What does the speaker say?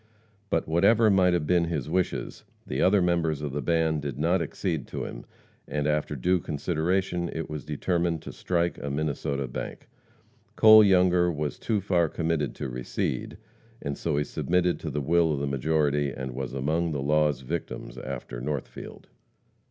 But whatever might have been his wishes, the other members of the band did not accede to them, and, after due consideration, it was determined to strike a Minnesota bank. Cole Younger was too far committed to recede, and so he submitted to the will of the majority, and was among the law's victims after Northfield.